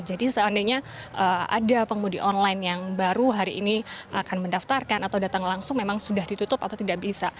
jadi seandainya ada pengemudi online yang baru hari ini akan mendaftarkan atau datang langsung memang sudah ditutup atau tidak bisa